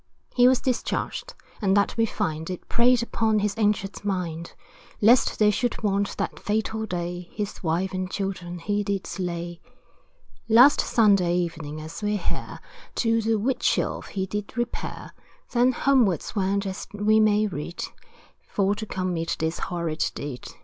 He was discharged, and that we find, It preyed upon his anxious mind, Lest they should want, that fatal day, His wife and children he did slay. Last Sunday evening, as we hear, To the Wheatsheaf he did repair, Then homewards went, as we may read, For to commit this horrid deed.